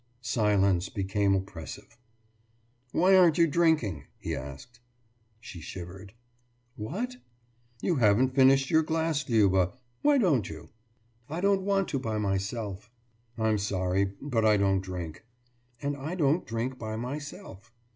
Silence became oppressive. »Why aren't you drinking?« he asked. She shivered. »What?« »You haven't finished your glass, Liuba. Why don't you?« »I don't want to by myself.« »I'm sorry, but I don't drink.« »And I don't drink by myself.